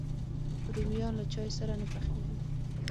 رومیان له چای سره نه پخېږي